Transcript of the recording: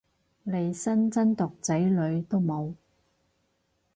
利申真毒仔女都冇